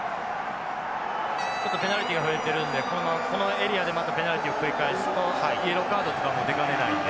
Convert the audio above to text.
ちょっとペナルティが増えているのでこのエリアでまたペナルティを繰り返すとイエローカードとかも出かねないので。